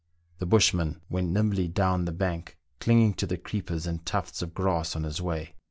The bushman went nimbly down the bank, clinging to the creepers and tufts oi grass on his way.